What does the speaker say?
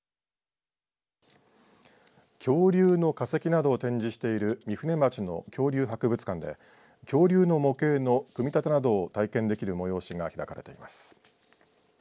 恐竜の化石などを展示している御船町の恐竜博物館で恐竜の模型の組み立てなどを体験できる催しが開かれています。